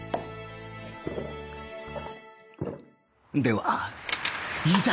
ではいざ！